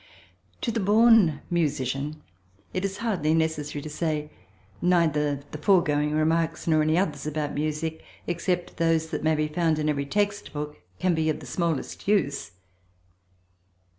To the born musician, it is hardly necessary to say, neither the foregoing remarks nor any others about music, except those that may be found in every text book, can be of the smallest use.